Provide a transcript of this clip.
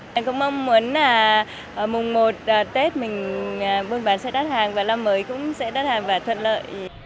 mình cũng mong muốn là mùng một tết mình bương bán sẽ đắt hàng và năm mới cũng sẽ đắt hàng và thuận lợi